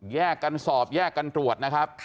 แยกกันสอบแยกกันตรวจ